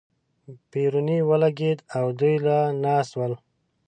پېرونی ولګېدې او دوی لا ناست ول.